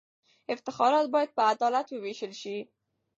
افتخارات باید په عدالت ووېشل سي.